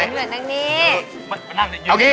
เอางี้